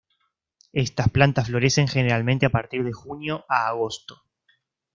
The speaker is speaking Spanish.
Estas plantas florecen generalmente a partir de junio a agosto.